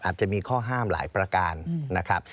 อาจจะมีข้อห้ามหลายประการนะครับ